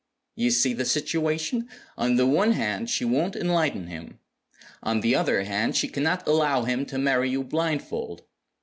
You see the situation? On the one hand, she won't enlighten him. On the other hand, she cannot allow him to marry you blindfold.